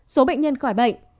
số bệnh nhân khỏi bệnh